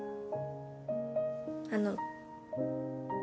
あの。